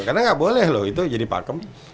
karena enggak boleh loh itu jadi pakem